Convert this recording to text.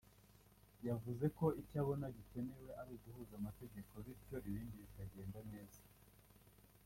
yavuze ko icyo abona gikenewe ari uguhuza amategeko bityo ibindi bikagenda neza